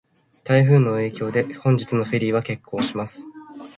台風の影響で、本日のフェリーは欠航します。